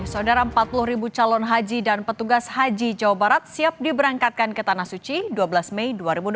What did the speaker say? saudara empat puluh ribu calon haji dan petugas haji jawa barat siap diberangkatkan ke tanah suci dua belas mei dua ribu dua puluh